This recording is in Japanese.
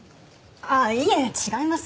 ああいえ違います。